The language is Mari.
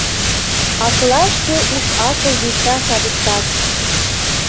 Акла шке уш-акыл виса садиктак.